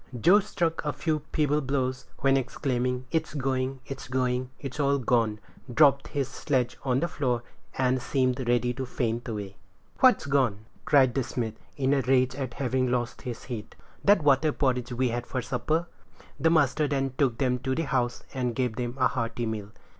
Joe struck a few feeble blows, when exclaiming, "It's going! it's going! it's all gone!" dropped his sledge on the floor, and seemed ready to faint away. "What's gone?" cried the smith, in a rage at having lost his heat. "That water porridge we had for supper." The master then took them to the house, and gave them a hearty meal.